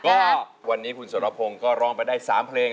ก็วันนี้คุณสรพงศ์ก็ร้องไปได้๓เพลง